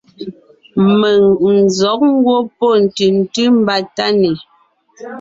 Mèŋ n zɔ̌g ngwɔ́ pɔ́ ntʉ̀ntʉ́ mbà Tánè,